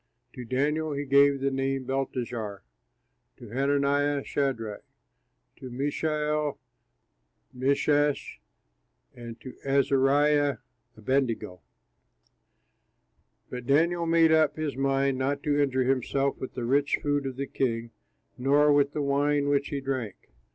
To Daniel he gave the name Belteshazzar, and to Hananiah, Shadrach, and to Mishael, Meshach, and to Azariah, Abednego. But Daniel made up his mind not to injure himself with the rich food of the king nor with the wine which he drank.